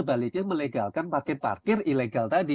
tidak sebaliknya melegalkan parkir parkir ilegal tadi